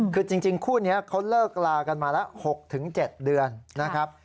คือจริงคู่นี้เขาเลิกลากันมาละ๖๗เดือนนะครับ